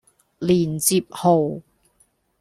連接號